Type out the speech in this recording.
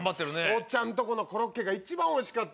おっちゃんとこのコロッケが一番おいしかってん。